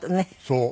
そう。